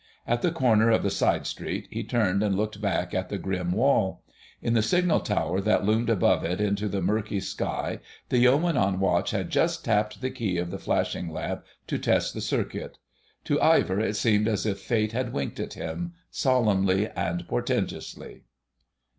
At the corner of the side street he turned and looked back at the grim wall. In the signal tower that loomed above it into the murky sky the yeoman on watch had just tapped the key of the flashing lamp to test the circuit. To Ivor it seemed as if Fate had winked at him, solemnly and portentously.